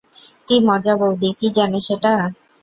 কি মজা বৌদি কি জানে সেটা?